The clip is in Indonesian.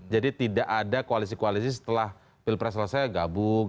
jadi tidak ada koalisi koalisi setelah pilpres selesai gabung